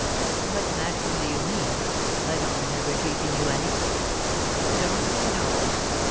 "What maxim do you mean, I don't remember teaching you any?" "Don't you know?